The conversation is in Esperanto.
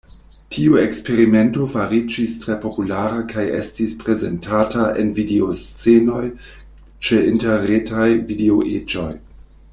Tiu eksperimento fariĝis tre populara kaj estis prezentata en video-scenoj ĉe interretaj video-ejoj.